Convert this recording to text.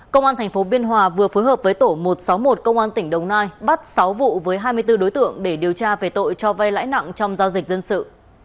công an tp biên hòa vừa phối hợp với tổ một trăm sáu mươi một công an tỉnh đồng nai bắt sáu vụ với hai mươi bốn đối tượng để điều tra về tội cho vay lãi nặng trong giao dịch dân sự